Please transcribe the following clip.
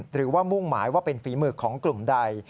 หรือว่ามุ่งหมายว่าเป็นฝีมือกของกลุ่มใด